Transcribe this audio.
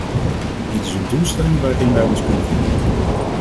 Dit is een doelstelling waarin wij ons kunnen vinden.